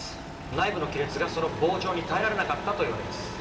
内部の亀裂がその膨張に耐えられなかったというわけです。